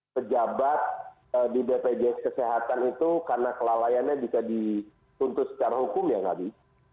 pejabat di bpjs kesehatan itu karena kelalaiannya bisa dituntut secara hukum ya nabi